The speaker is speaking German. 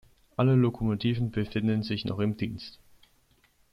Alle Lokomotiven befinden sich noch im Dienst.